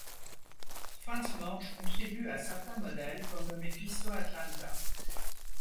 Frans Morsch contribue à certains modèles, comme le Mephisto Atlanta.